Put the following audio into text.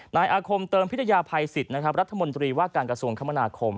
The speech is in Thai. นายอาคมเติมพิทยาภัยสิทธิ์นะครับรัฐมนตรีว่าการกระทรวงคมนาคม